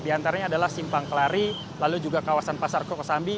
di antaranya adalah simpang kelari lalu juga kawasan pasar kokosambi